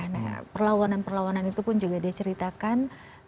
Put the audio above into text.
nah perlawanan perlawanan itu pun juga dia ceritakan